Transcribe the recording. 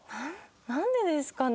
なんでですかね？